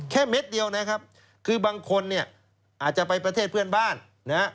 เม็ดเดียวนะครับคือบางคนเนี่ยอาจจะไปประเทศเพื่อนบ้านนะฮะ